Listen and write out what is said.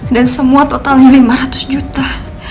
dan semua totalnya lima ratus juta